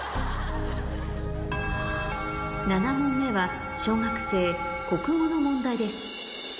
７問目は小学生国語の問題です